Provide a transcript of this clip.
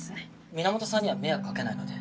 皆本さんには迷惑かけないので。